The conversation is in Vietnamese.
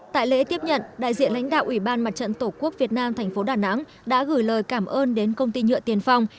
tại lễ tiếp nhận đại diện lãnh đạo ủy ban mặt trận tổ quốc việt nam thành phố đà nẵng đã gửi lời cảm ơn đến công ty nhựa tiền phong